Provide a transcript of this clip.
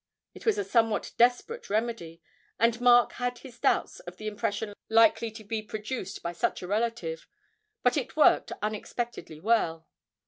It was a somewhat desperate remedy, and Mark had his doubts of the impression likely to be produced by such a relative, but it worked unexpectedly well.